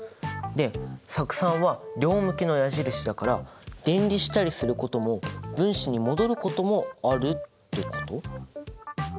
で酢酸は両向きの矢印だから電離したりすることも分子に戻ることもあるってこと？